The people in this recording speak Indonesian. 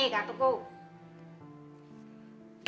di mana itu ibu